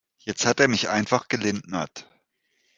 Jetzt hat er mich einfach gelindnert.